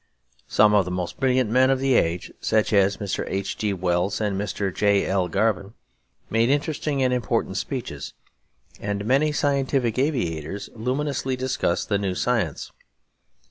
Some of the most brilliant men of the age, such as Mr. H. G. Wells and Mr. J. L. Garvin, made interesting and important speeches, and many scientific aviators luminously discussed the new science.